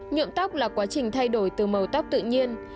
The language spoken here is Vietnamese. nhuộm tóc là quá trình thay đổi từ màu tóc tự nhiên